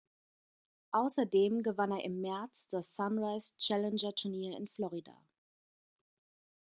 Außerdem gewann er im März das "Sunrise"-Challenger-Turnier in Florida.